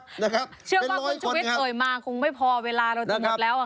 เชื่อว่าคุณชุวิตเอ่ยมาคงไม่พอเวลาเราจะหมดแล้ว